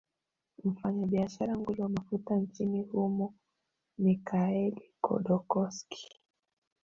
mfanyabiashara nguli wa mafuta nchini humo michael kodokoski